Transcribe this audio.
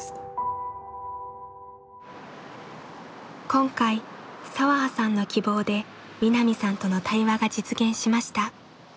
今回彩葉さんの希望で望奈未さんとの対話が実現しました。